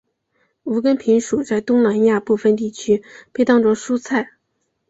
无根萍属在东南亚部份地区被当作蔬菜。